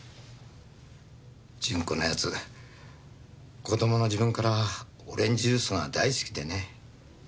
順子のやつ子供の時分からオレンジジュースが大好きでね。